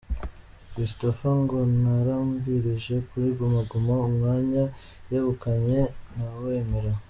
Christopher ngo ntarambirije kuri Guma Guma, umwanya yegukanye ntawemera.